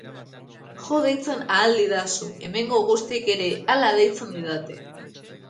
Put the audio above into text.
Jo deitzen ahal didazu, hemengo guztiek ere hala deitzen didate.